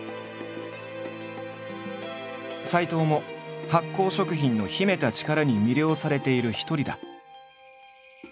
斎藤も発酵食品の秘めた力に魅了されている一人だ。